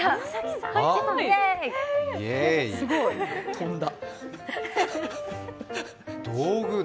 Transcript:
飛んだ！